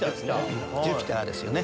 ジュピターですよね